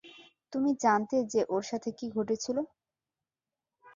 তুমি জানতে যে ওর সাথে কী ঘটেছিল?